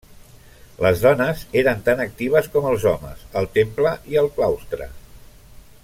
Les dones eren tan actives com els homes al temple i al claustre.